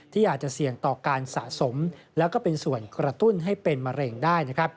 ที่อาจจะเสี่ยงต่อการสะสมแล้วก็เป็นส่วนกระตุ้นให้เป็นมะเร็งได้